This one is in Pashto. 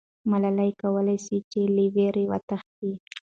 ملالۍ کولای سوای چې له ویرې وتښتي.